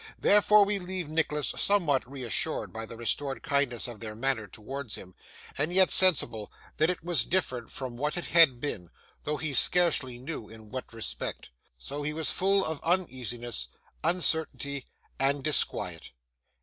Therefore, we leave Nicholas somewhat reassured by the restored kindness of their manner towards him, and yet sensible that it was different from what it had been (though he scarcely knew in what respect): so he was full of uneasiness, uncertainty, and disquiet.